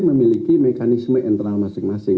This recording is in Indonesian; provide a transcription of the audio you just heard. memiliki mekanisme internal masing masing